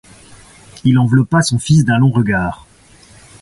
Il enveloppa son fils d'un long regard.